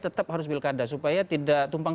tetap harus pilkada supaya tidak tumpang